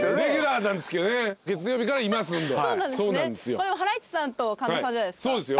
これはハライチさんと神田さんじゃないですか。